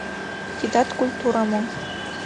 Тидат культура мо?